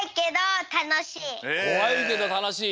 こわいけどたのしい。